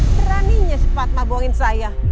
beraninya si fatma bohin saya